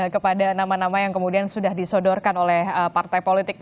kepada nama nama yang kemudian sudah disodorkan oleh partai politik